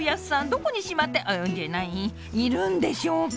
どこにしまってああじゃないいるんでしょうか？